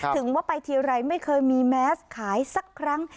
ถึงว่าไปทีไรไม่เคยมีแมสขายสักครั้ง